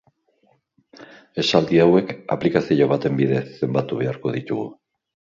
Esaldi hauek aplikazio baten bidez zenbatu beharko ditugu.